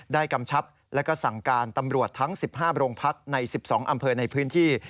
กำชับและก็สั่งการตำรวจทั้ง๑๕โรงพักใน๑๒อำเภอในพื้นที่